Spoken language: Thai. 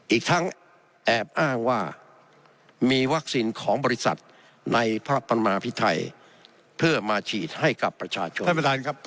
อีกทั้งแอบอ้างว่ามีวัคซีนของบริษัทในพระปันมาพิทัยเพื่อมาฉีดให้กับประชาชน